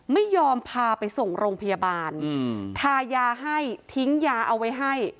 ไม่ยอมพาไปส่งโรงพยาบาลทายาให้ทิ้งยาเอาไว้ให้